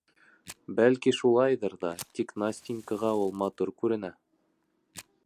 — Бәлки, шулайҙыр ҙа, тик Настенькаға ул матур күренә.